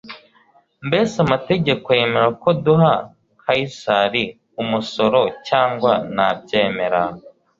mbese amategeko yemera ko duha Kaisari umusoro cyangwa ntabyemera?"